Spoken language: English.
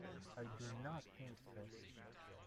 I do not think so.